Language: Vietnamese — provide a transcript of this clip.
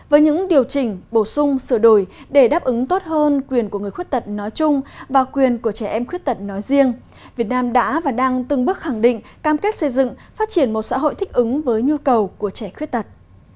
với những điều chỉnh bổ sung sửa đổi để đáp ứng tốt hơn quyền của người khuyết tật nói chung và quyền của trẻ em khuyết tật nói riêng việt nam đã và đang từng bước khẳng định cam kết xây dựng phát triển một xã hội thích ứng với nhu cầu của trẻ khuyết tật